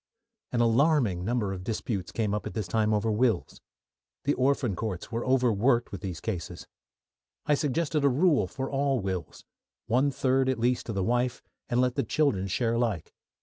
An alarming number of disputes came up at this time over wills. The Orphan Courts were over worked with these cases. I suggested a rule for all wills: one third at least to the wife, and let the children share alike.